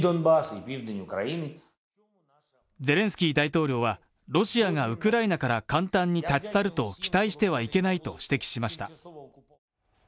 ゼレンスキー大統領はロシアがウクライナから簡単に立ち去ると期待してはいけないと指摘しました。